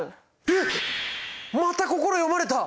えっまた心読まれた！